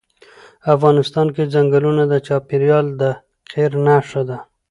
افغانستان کې ځنګلونه د چاپېریال د تغیر نښه ده.